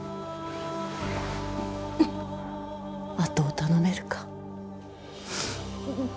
跡を頼めるか？